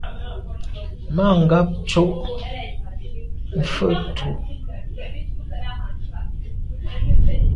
Mà ngab tsho’ mfe tù.